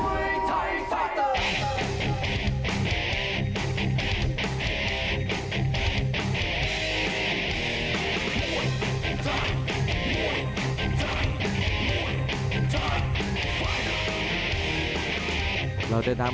การันตีได้ครับจากค่ายเพชรจินดา